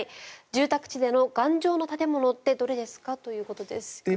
住宅地での頑丈な建物ってどれですかということです。